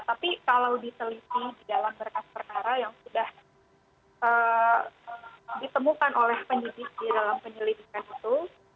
tapi kalau diteliti di dalam berkas perkara yang sudah ditemukan oleh penyidik di dalam penyelidikan itu